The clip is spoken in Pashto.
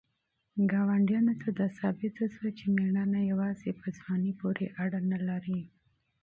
ګاونډیانو ته ثابته شوه چې مېړانه یوازې په ځوانۍ پورې اړه نه لري.